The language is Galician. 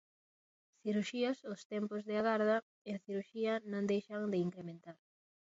Cirurxías Os tempos de agarda en cirurxía non deixan de incrementar.